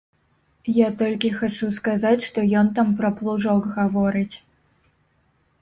Я толькі хачу сказаць, што ён там пра плужок гаворыць.